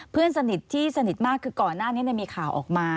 เพื่อนสนิทที่สนิทมากคือก่อนหน้านี้มีข่าวออกมา